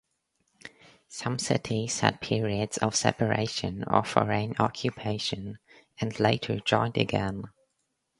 Some cities had periods of separation or foreign occupation and later joined again.